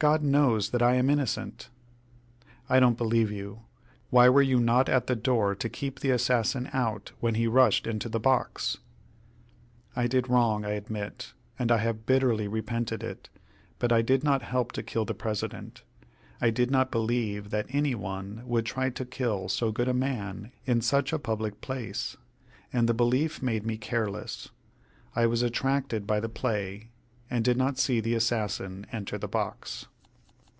"God knows that I am innocent." "I don't believe you. Why were you not at the door to keep the assassin out when he rushed into the box?" "I did wrong, I admit, and I have bitterly repented it, but I did not help to kill the President. I did not believe that any one would try to kill so good a man in such a public place, and the belief made me careless. I was attracted by the play, and did not see the assassin enter the box."